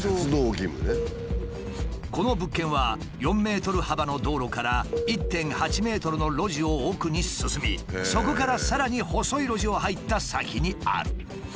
この物件は４ｍ幅の道路から１．８ｍの路地を奥に進みそこからさらに細い路地を入った先にある。